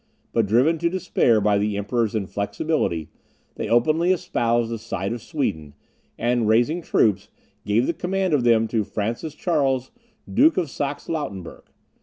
But, driven to despair by the Emperor's inflexibility, they openly espoused the side of Sweden, and raising troops, gave the command of them to Francis Charles Duke of Saxe Lauenburg.